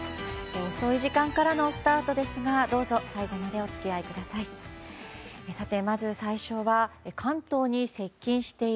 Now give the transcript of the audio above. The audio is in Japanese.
遅い時間からのスタートですがどうぞ最後までお付き合いください。